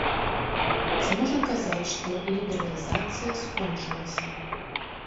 Ці можна казаць, што лібералізацыя скончылася?